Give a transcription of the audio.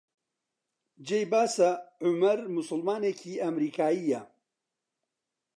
جێی باسە عومەر موسڵمانێکی ئەمریکایییە